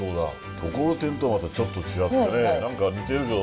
ところてんとはまたちょっと違ってね何か似てるけど。